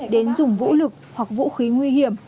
đến dùng vũ lực hoặc vũ khí nguy hiểm